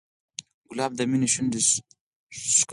ګلاب د مینې شونډې ښکلوي.